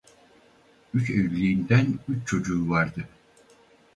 Üç evliliğinden üç çocuğu vardı.